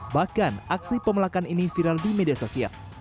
bahkan aksi pemelakan ini viral di media sosial